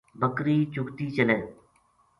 بکری چُگتی چلے